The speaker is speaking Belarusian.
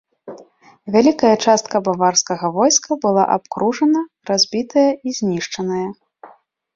Вялікая частка баварскага войска была абкружана, разбітая і знішчаная.